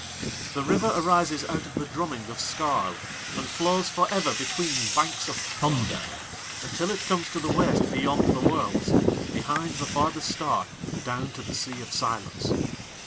The River arises out of the drumming of Skarl, and flows for ever between banks of thunder, until it comes to the waste beyond the Worlds, behind the farthest star, down to the Sea of Silence.